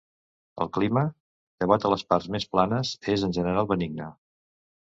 El clima, llevat a les parts més planes, és en general benigne.